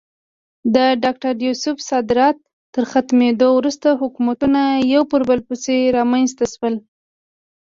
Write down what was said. د ډاکټر یوسف صدارت تر ختمېدو وروسته حکومتونه یو پر بل پسې رامنځته شول.